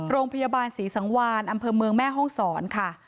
โรงพยาบาลศรีสังวานอำเภอเมืองแม่ห้องศรค่ะ